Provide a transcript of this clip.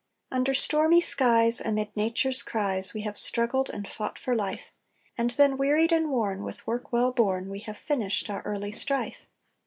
Under stormy skies, amid Nature's cries, We have struggled and fought for life, And then wearied and worn with work well borne, We have finished our early strife.